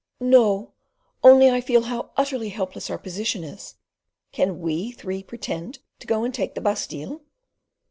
"No, only I feel how utterly helpless our position is. Can we three pretend to go and take the Bastile?"